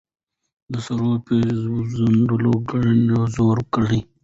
د سرو پېزوانه ګړنګو زوړ کړې